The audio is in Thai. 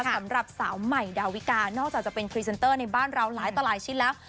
สำหรับสาวใหม่ดาวิกานอกจากจะเป็นพรีเซนเตอร์ในบ้านเราหลายต่อหลายชิ้นแล้ว